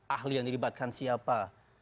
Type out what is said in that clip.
ahli yang dilibatkan siapa